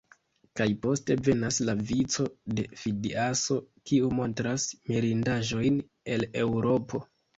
Kaj poste venas la vico de Fidiaso, kiu montras mirindaĵojn el Eŭropo.